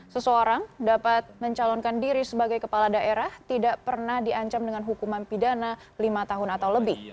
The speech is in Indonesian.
seseorang dapat mencalonkan diri sebagai kepala daerah tidak pernah diancam dengan hukuman pidana lima tahun atau lebih